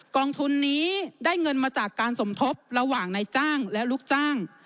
กองทุนนี้ได้เงินมาจากการสมทบระหว่างนายจ้างและลูกจ้าง